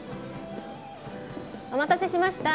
お待たせしました！